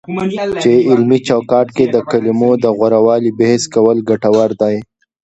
په علمي چوکاټ کې د کلمو د غوره والي بحث کول ګټور دی،